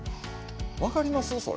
分かりますそれ？